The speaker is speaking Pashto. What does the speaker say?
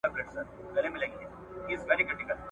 راسه جهاني چي دا بوډۍ شېبې دي مستي کو `